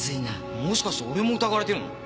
もしかして俺も疑われてるの！？